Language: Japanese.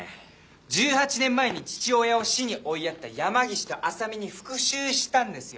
１８年前に父親を死に追いやった山岸と浅見に復讐したんですよ！